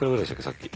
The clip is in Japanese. さっき。